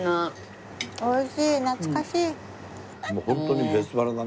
美味しい懐かしい。